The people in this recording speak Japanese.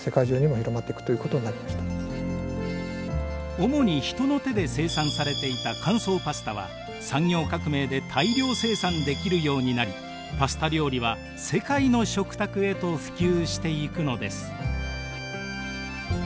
主に人の手で生産されていた乾燥パスタは産業革命で大量生産できるようになりパスタ料理は世界の食卓へと普及していくのです。